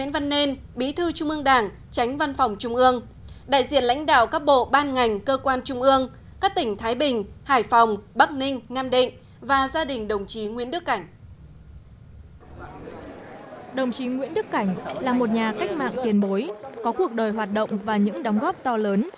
là một nhà cách mạng tiền bối có cuộc đời hoạt động và những đóng góp to lớn